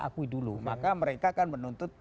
akui dulu maka mereka akan menuntut